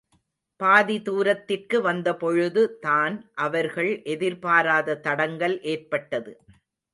பாதி தூரத்திற்கு வந்தபொழுது தான் அவர்கள் எதிர்பாராத தடங்கல் ஏற்பட்டது.